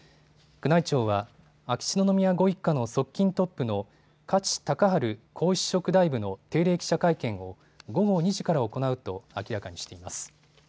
宮内庁は秋篠宮ご一家の側近トップの加地隆治皇嗣職大夫の定例記者会見を午後２時から行うと明らかにしています。